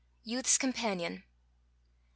Youth's Companion.